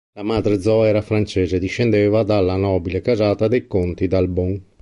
La madre Zoe era francese e discendeva dalla nobile casata dei conti d'Albon.